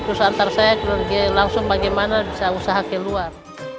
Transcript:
terus antar saya ke luar negeri langsung bagaimana bisa usaha keluar